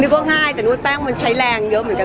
ว่าง่ายแต่นวดแป้งมันใช้แรงเยอะเหมือนกัน